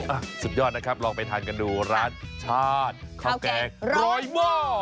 สุดยอดนะครับลองไปทานกันดูร้านชาติข้าวแกงร้อยหม้อ